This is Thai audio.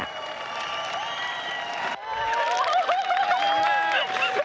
โอ้โห